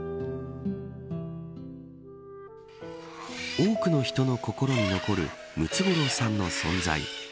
多くの人の心に残るムツゴロウさんの存在。